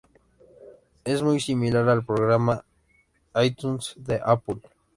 Es muy similar al programa iTunes de Apple.